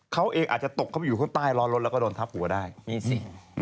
เขาเองอาจจะตกเข้าไปอยู่ข้างใต้ล้อรถแล้วก็โดนทับหัวได้นี่สิ